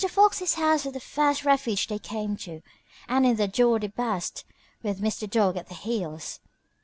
Fox's house was the first refuge they came to, and in the door they burst, with Mr. Dog at their heels.